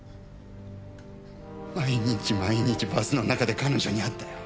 毎日毎日バスの中で彼女に会ったよ。